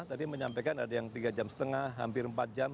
tadi menyampaikan ada yang tiga jam setengah hampir empat jam